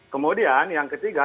kemudian yang ketiga